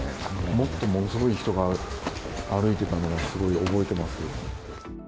もっとものすごい人が歩いてたのは、すごい覚えてます。